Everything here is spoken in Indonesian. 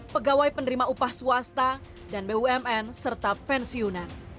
pegawai penerima upah swasta dan bumn serta pensiunan